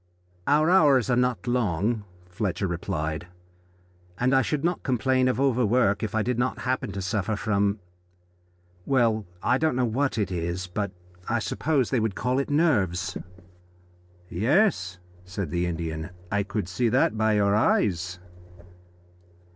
"Our hours are not long," Fletcher replied, "and I should not complain of overwork if I did not happen to suffer from well, I don't know what it is, but I suppose they would call it nerves." "Yes," said the Indian, "I could see that by your eyes."